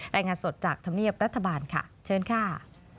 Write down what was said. รายงานสดจากธรรมเนียบรัฐบาลค่ะเชิญค่ะ